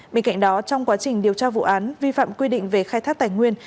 bên cạnh đó trong quá trình điều tra vụ án vi phạm quy định về khai thác tài nguyên